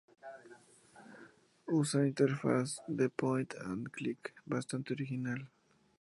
Usa una interfaz de "Point and click" bastante original.